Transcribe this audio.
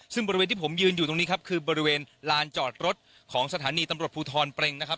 ซึ่งบริเวณที่ผมยืนอยู่ตรงนี้ครับคือบริเวณลานจอดรถของสถานีตำรวจภูทรเปรงนะครับ